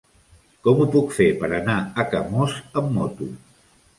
Com ho puc fer per anar a Camós amb moto?